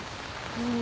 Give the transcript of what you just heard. うん。